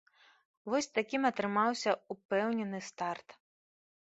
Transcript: Вось такім атрымаўся ўпэўнены старт.